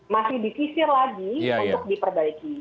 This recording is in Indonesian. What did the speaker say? masih disisir lagi untuk diperbaiki